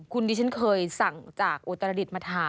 คุณดิฉันเคยสั่งจากอุตรดิษฐ์มาทาน